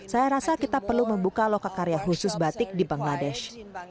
saya rasa kita perlu membuka lokak karya khusus batik di bangladesh